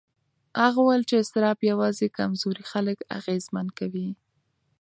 هغه وویل چې اضطراب یوازې کمزوري خلک اغېزمن کوي.